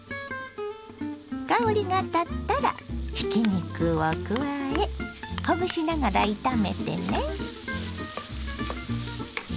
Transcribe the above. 香りが立ったらひき肉を加えほぐしながら炒めてね。